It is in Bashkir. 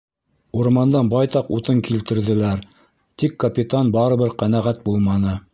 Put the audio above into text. Урмандан байтаҡ утын килтерҙеләр, тик капитан барыбер ҡәнәғәт булманы.